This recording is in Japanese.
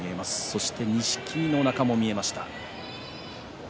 そして錦木のおなかも見えました。